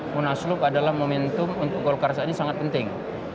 munaslup adalah momentum untuk golkar saat ini sangat penting